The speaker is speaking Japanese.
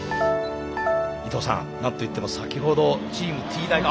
伊藤さん何といっても先ほどチームＴ大が。